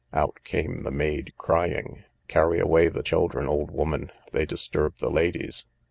Out came the maid, crying, Carry away the children, old woman, they disturb the ladies.